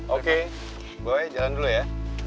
oke gue jalan dulu ya